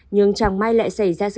nhưng chẳng may lẽ xảy ra sự